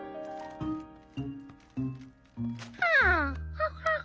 ハハハハ。